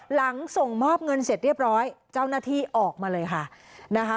หลังส่งมอบเงินเสร็จเรียบร้อยเจ้าหน้าที่ออกมาเลยค่ะนะคะ